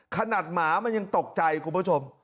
หมามันยังตกใจคุณผู้ชม